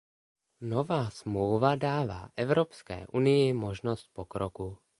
Nová smlouva dává Evropské unii možnost pokroku.